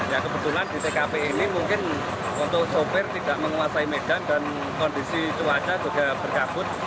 ya kebetulan di tkp ini mungkin untuk sopir tidak menguasai medan dan kondisi cuaca juga berkabut